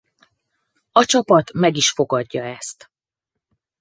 A csapat meg is fogadja ezt.